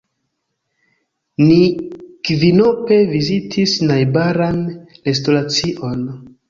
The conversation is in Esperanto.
Ni kvinope vizitis najbaran restoracion.